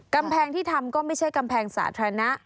กำแพงที่ทำก็ไม่ใช่กำแพงสาธารณะ